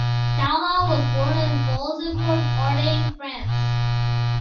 Daumal was born in Boulzicourt, Ardennes, France.